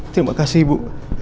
terima kasih ibu